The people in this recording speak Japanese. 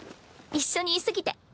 一緒にい過ぎて。